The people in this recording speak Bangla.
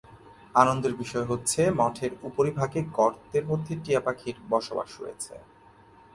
আনন্দের বিষয় হচ্ছে মঠের উপরিভাগে গর্তের মধ্যে টিয়া পাখির বসবাস রয়েছে।